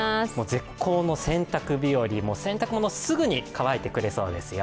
絶好の洗濯日和洗濯物すぐに乾いてくれそうですよ。